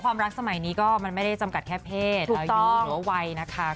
ความรักสมัยนี้ก็มันไม่ได้จำกัดแค่เพศถูกต้องหรือว่าวัยนะคะ